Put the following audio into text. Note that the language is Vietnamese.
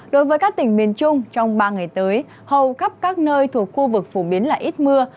đối với các tỉnh miền trung trong ba ngày tới hầu khắp các nơi thuộc khu vực phổ biến là ít mưa